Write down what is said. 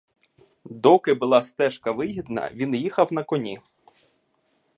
Доки була стежка вигідна, він їхав на коні.